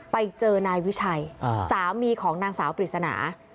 ไปเจอนายวิชัยสามีของนางสาวปริศนา